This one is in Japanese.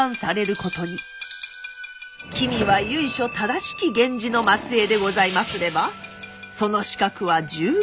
君は由緒正しき源氏の末裔でございますればその資格は十分。